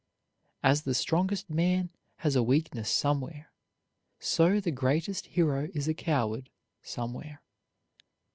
As the strongest man has a weakness somewhere, so the greatest hero is a coward somewhere.